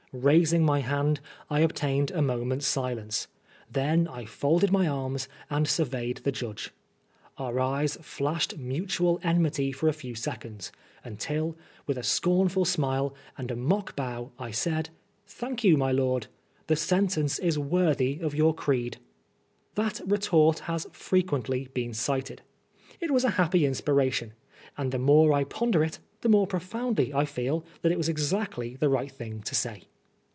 Raising my hand, I obtained a moment's silence. Then I folded my arms and surveyed the judge. Our eyes flashed mutual enmity for a few seconds, until with a scornful smile and a mock bow I said, Thanh you^ my lord ; the sentence u worthy of your creed.^^ That retort has frequently been cited. It was a happy inspiration, and the more I ponder it the more pro foundly I feel that it was exactly the right thing to say.